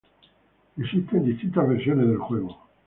Existen distintas versiones del juego.